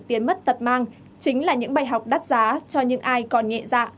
tiền mất tật mang chính là những bài học đắt giá cho những ai còn nhẹ dạ